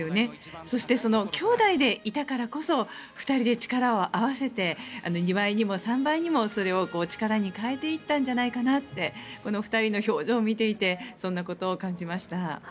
そして、その兄妹でいたからこそ２人で力を合わせて２倍にも３倍にもそれを力に変えていったんじゃないかなって２人の表情を見ていてそんなことを感じました。